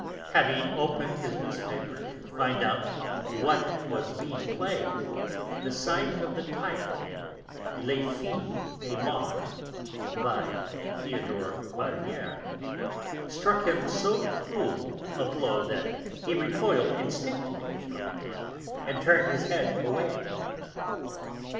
Having opened his newspaper to find out what was being played, the sight of the title Les Filles de Marbre, by Théodore Barrière, struck him so cruel a blow that he recoiled instinctively from it and turned his head away.